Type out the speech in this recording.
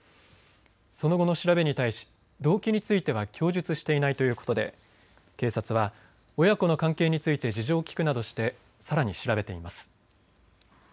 その後の調べに対し動機については供述していないということで警察は親子の関係について事情を聞くなどしてさらに調べています。